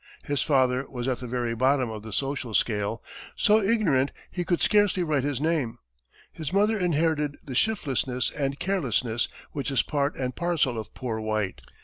His father was at the very bottom of the social scale, so ignorant he could scarcely write his name. His mother inherited the shiftlessness and carelessness which is part and parcel of "poor white."